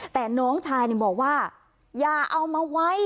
แต่น้องชายบอกว่าอย่าเอามาไว้